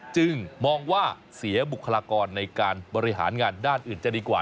จึงมองว่าเสียบุคลากรในการบริหารงานด้านอื่นจะดีกว่า